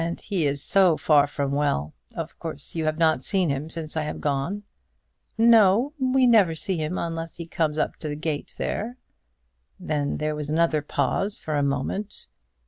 "And he is so far from well. Of course you have not seen him since I have been gone." "No; we never see him unless he comes up to the gate there." Then there was another pause for a moment.